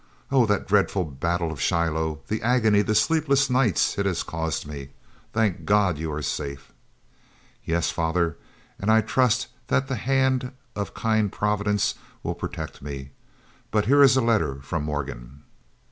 Oh! that dreadful battle of Shiloh! The agony, the sleepless nights it has caused me! Thank God you are yet safe." "Yes, father, and I trust that the hand of a kind Providence will still protect me. But here is a letter from Morgan."